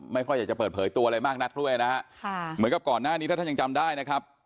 ไม่ค่อยอยากจะเปิดเผยตัวอะไรมากนักด้วยนะฮะค่ะเหมือนกับก่อนหน้านี้ถ้าท่านยังจำได้นะครับ